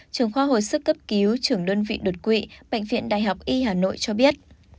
trường khoa hồi sức cấp cứu trưởng đơn vị đột quỵ bệnh viện đại học y hà nội cho biết